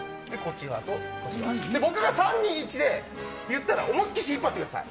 ここ持っていただいて僕が３、２、１で言ったら思いっきり引っ張ってください。